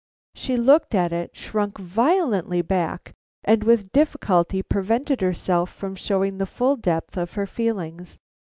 She looked at it, shrunk violently back, and with difficulty prevented herself from showing the full depth of her feelings.